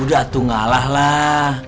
udah tuh ngalah lah